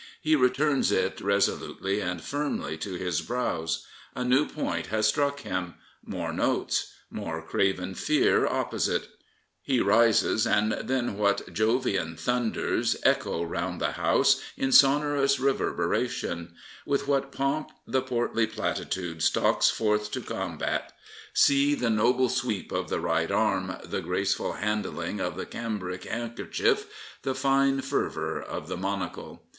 He returns it resolutely and firmly to his brows. A new point has struck him: more notes: more craven fear opposite. He rises, and then what Jovian thunders echo round the House in sonorous reverberation! With what pomp the portly platitude stalks forth to 212 Henry Chaplin combat I See the noble sweep of the right arm, the graceful handling of the cambric handkerchief, the fine fervour of the monocle.